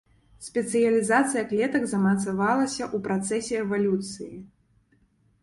Спецыялізацыя клетак замацавалася ў працэсе эвалюцыі.